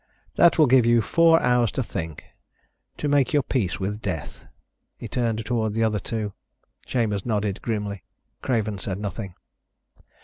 That will give you four hours to think, to make your peace with death." He turned toward the other two. Chambers nodded grimly. Craven said nothing.